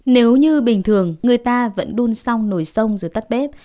nếu như bình thường người ta vẫn đun sông nồi sông rồi tắt bếp